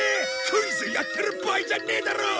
クイズやってる場合じゃねえだろ！